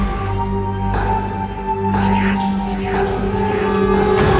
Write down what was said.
jangan jangan jangan